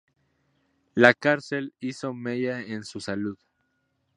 La cárcel hizo mella en su salud.